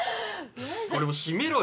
これも閉めろよ